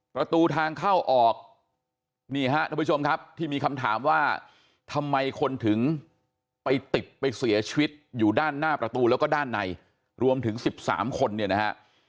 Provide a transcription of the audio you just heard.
ประตูทางเข้าออกนี่ฮะทุกผู้ชมครับที่มีคำถามว่าทำไมคนถึงไปติดไปเสียชีวิตอยู่ด้านหน้าประตูแล้วก็ด้านในรวมถึง๑๓คนเนี่ยนะฮะ